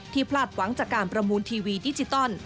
พลาดหวังจากการประมูลทีวีดิจิตอล